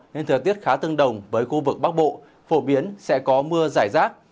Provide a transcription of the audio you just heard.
nên thời tiết khá tương đồng với khu vực bắc bộ phổ biến sẽ có mưa giải rác